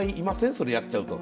それやっちゃうと。